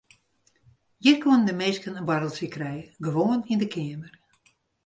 Hjir koenen de minsken in boarreltsje krije gewoan yn de keamer.